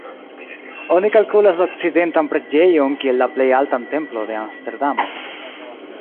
Oni kalkulas la Okcidentan preĝejon kiel la plej altan templon de Amsterdamo.